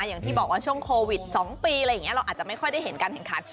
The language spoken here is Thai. อย่างที่บอกว่าช่วงโควิด๒ปีอะไรอย่างนี้เราอาจจะไม่ค่อยได้เห็นการแข่งขัน